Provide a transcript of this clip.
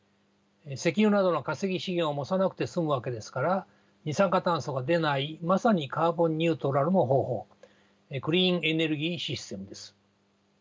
石油などの化石資源を燃さなくて済むわけですから二酸化炭素が出ないまさにカーボンニュートラルの方法クリーンエネルギーシステムです。